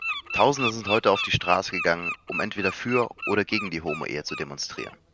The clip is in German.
Tausende sind heute auf die Straße gegangen, um entweder für oder gegen die Homoehe zu demonstrieren.